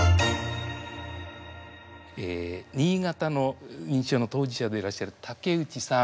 新潟の認知症の当事者でいらっしゃる竹内さん。